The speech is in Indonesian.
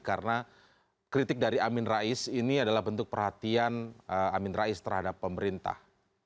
karena kritik dari amin rais ini adalah bentuk perhatian amin rais terhadap pemerintah